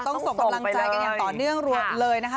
ส่งกำลังใจกันอย่างต่อเนื่องเลยนะคะ